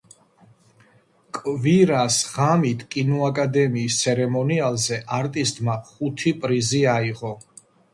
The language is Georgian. კვირას ღამით კინოაკადემიის ცერემონიალზე „არტისტმა“ ხუთი პრიზი აიღო.